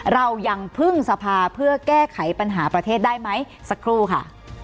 เรายังพึ่งสภาเพื่อแก้ไขปัญหาประเทศได้ไหมสักครู่ค่ะ